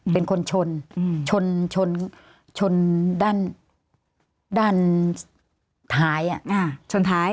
เป็นคนชนชนด้านท้าย